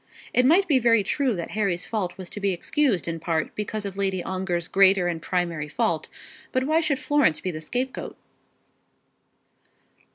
It might be very true that Harry's fault was to be excused in part because of Lady Ongar's greater and primary fault; but why should Florence be the scapegoat?